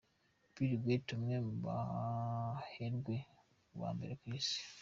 Bill Gates umwe mu baherwe ba mbere ku Isi.